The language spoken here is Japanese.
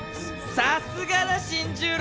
さすがだ新十郎！